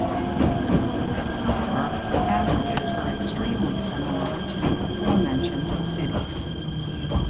However, averages are extremely similar to the aforementioned cities.